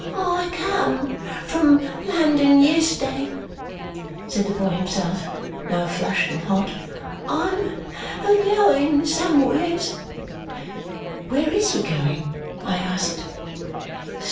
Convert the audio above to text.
"I come from London yes'day," said the boy himself, now flushed and hot. "I'm a going somewheres." "Where is he going?" I asked.